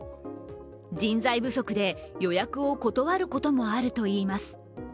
人材不足で予約を断ることもあるといいます。